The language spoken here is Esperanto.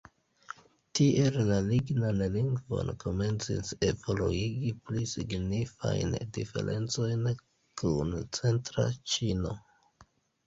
Tiel la Lingnan-lingvo komencis evoluigi pli signifajn diferencojn kun centra ĉino.